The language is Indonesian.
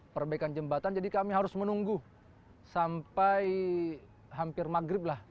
perbaikan jembatan jadi kami harus menunggu sampai hampir maghrib lah